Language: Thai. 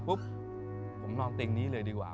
ผมนอนเต็งนี้เลยดีกว่า